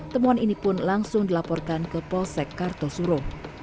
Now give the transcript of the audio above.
temuan ini pun langsung dilaporkan ke polsek kartosuro